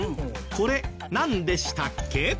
これなんでしたっけ？